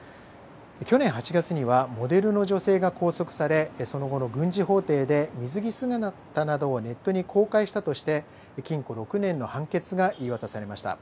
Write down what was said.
去年８月にはモデルの女性が拘束されその後の軍事法廷で水着姿などをネットに公開したとして禁錮６年の判決が言い渡されました。